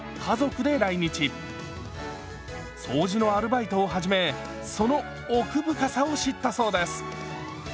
掃除のアルバイトを始めその奥深さを知ったそうです。